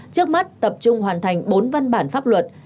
trước mắt tập trung hoàn thành bốn văn bản pháp luật